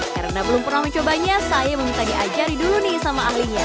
karena belum pernah mencobanya saya meminta diajari dulu nih sama ahlinya